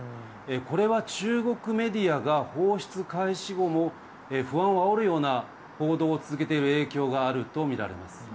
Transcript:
これは、中国メディアが、放出開始後も不安をあおるような報道を続けている影響があると見られます。